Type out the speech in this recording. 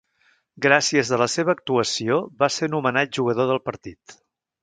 Gràcies a la seva actuació, va ser nomenat Jugador del Partit.